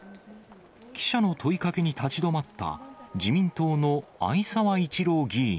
記者の問いかけに立ち止まった、自民党の逢沢一郎議員。